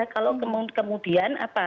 kalau kemudian apa